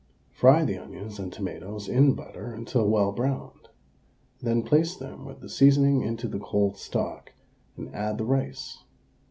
Fry the onions and tomatoes in butter until well browned, then place them with the seasoning into the cold stock, and add the rice.